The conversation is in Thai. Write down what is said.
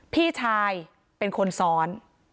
พี่ชายเป็นคนซ้อน